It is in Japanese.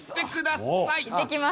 いってきます。